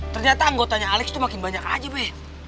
ternyata anggotanya alex itu makin banyak aja be